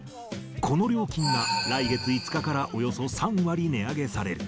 この料金が、来月５日からおよそ３割値上げされる。